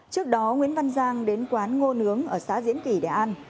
trước đó nguyễn văn giang đến quán ngô nướng ở xã diễn kỷ để ăn